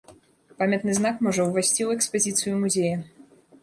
Памятны знак можа ўвайсці ў экспазіцыю музея.